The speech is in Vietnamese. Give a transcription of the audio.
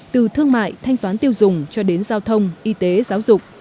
từ thương mại thanh toán tiêu dùng cho đến giao thông y tế giáo dục